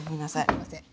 すいません。